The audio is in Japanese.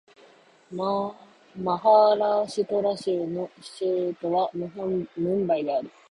マハーラーシュトラ州の州都はムンバイである